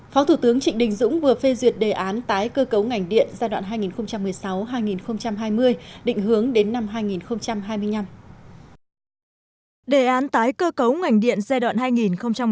phó thủ tướng trịnh đình dũng vừa phê duyệt đề án tái cơ cấu ngành điện giai đoạn hai nghìn một mươi sáu hai nghìn hai mươi định hướng đến năm hai nghìn hai mươi năm